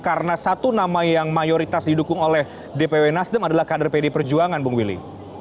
karena satu nama yang mayoritas didukung oleh dpw nasdem adalah kader pd perjuangan bung willy